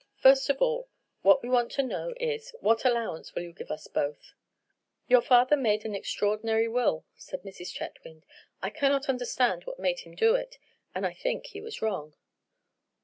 First of all, what we want to know is, what allowance you will give us both?" "Your father made an extraordinary will," said Mrs. Chetwynd. "I cannot understand what made him do it, and I think he was wrong."